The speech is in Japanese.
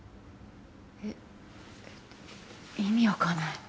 え意味分かんない。